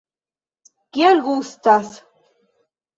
Kiel gustas?